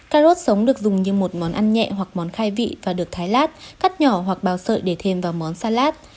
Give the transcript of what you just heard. cà rốt sống được dùng như một món ăn nhẹ hoặc món khai vị và được thái lát cắt nhỏ hoặc bao sợi để thêm vào món salat